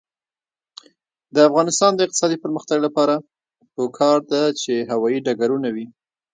د افغانستان د اقتصادي پرمختګ لپاره پکار ده چې هوايي ډګرونه وي.